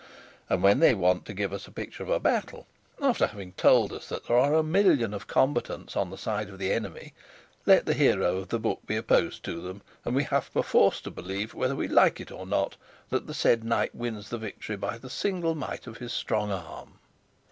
And when they want to give us a picture of a battle, after having told us that there are a million of combatants on the side of the enemy, let the hero of the book be opposed to them, and we have perforce to believe, whether we like it or not, that the said knight wins the victory by the single might of his strong arm.